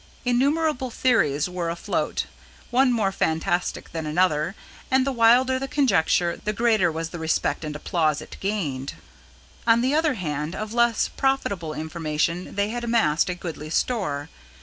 Innumerable theories were afloat, one more fantastic than another; and the wilder the conjecture, the greater was the respect and applause it gained. On the other hand, of less profitable information they had amassed a goodly store.